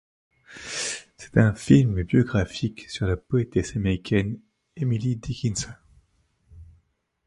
C'est un film biographique sur la poétesse américaine Emily Dickinson.